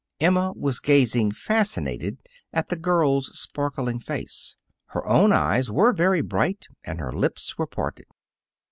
Emma was gazing fascinated at the girl's sparkling face. Her own eyes were very bright, and her lips were parted.